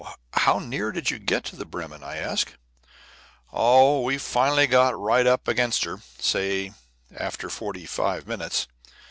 "How near did you get to the Bremen?" I asked. "Oh, we finally got right up against her, say after forty five minutes.